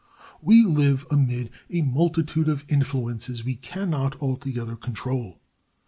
We live amid a multitude of influences we can not altogether control.